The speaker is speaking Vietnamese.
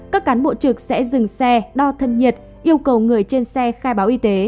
các cán bộ trực sẽ dừng xe đo thân nhiệt yêu cầu người trên xe khai báo y tế